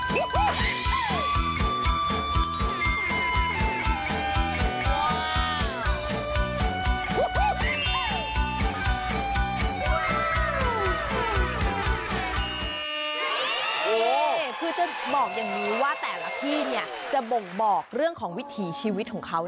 นี่คือจะบอกอย่างนี้ว่าแต่ละที่เนี่ยจะบ่งบอกเรื่องของวิถีชีวิตของเขา